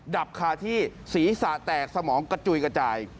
ดับคาที่ศีรษะแตกสมองกระจุยกระจาย